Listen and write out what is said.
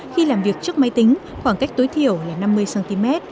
khi làm việc trước máy tính khoảng cách tối thiểu là năm mươi cm